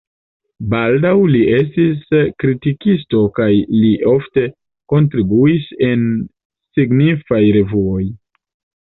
Baldaŭ li estis kritikisto kaj li ofte kontribuis en signifaj revuoj.